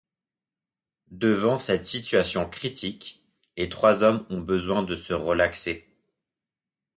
Devant cette situation critique, les trois hommes ont besoin de se relaxer.